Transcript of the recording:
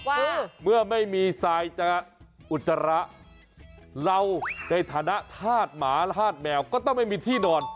ว่าเมื่อไม่มีสายอุตรระเราได้ฐานะฆาตหมาฆาตแหมวก็ต้องไม่มีที่นอน